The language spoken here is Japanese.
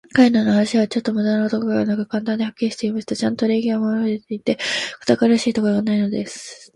彼等の話は、ちょっとも無駄なところがなく、簡単で、はっきりしていました。ちゃんと礼儀は守られていて、堅苦しいところがないのです。